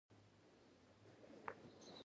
هغه د سیکهانو د ځپلو لپاره وو.